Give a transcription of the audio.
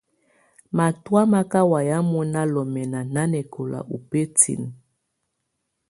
Matɔ̀á má kà wamɛ́à mɔ̀ná lɔmɛna nanɛkɔla ù bǝtinǝ́.